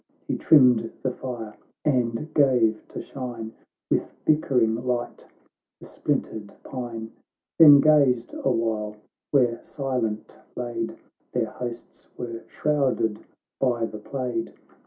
He trimmed the fire, and gave to shine "With bickering light the splintered pine ; Then gazed a while, where silent laid Their hosts were shrouded by the plaid.